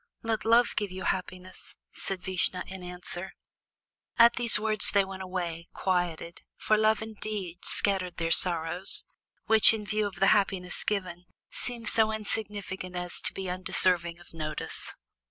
"Let Love give you happiness," said Vishnu in answer. At these words they went away quieted, for Love indeed scattered their sorrows, which, in view of the happiness given, seemed so insignificant as to be undeserving of notice.